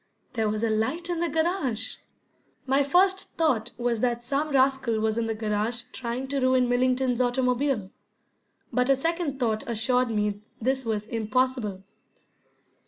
There was a light in the garage! My first thought was that some rascal was in the garage trying to ruin Millington's automobile, but a second thought assured me this was impossible.